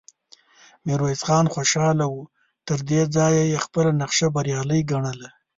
ميرويس خان خوشاله و، تر دې ځايه يې خپله نخشه بريالی ګڼله،